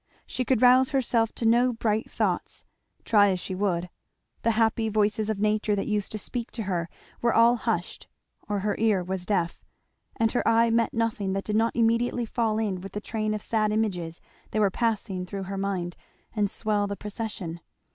She could rouse herself to no bright thoughts, try as she would; the happy voices of nature that used to speak to her were all hushed, or her ear was deaf; and her eye met nothing that did not immediately fall in with the train of sad images that were passing through her mind and swell the procession.